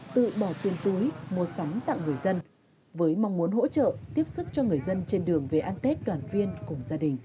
tự bỏ tiền túi mua sắm tặng người dân với mong muốn hỗ trợ tiếp sức cho người dân trên đường về ăn tết đoàn viên cùng gia đình